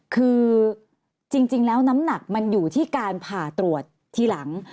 คือจริงแล้วน้ำหนักมันอยู่ที่การผ่าตรวจทีหลัง